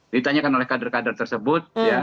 ditanyakan oleh kader kader tersebut